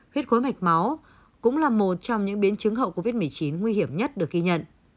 huyết khối mạch máu cũng là một trong những biến chứng hậu covid một mươi chín nguy hiểm nhất được ghi nhận